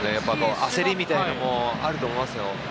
焦りみたいなのもあると思いますよ。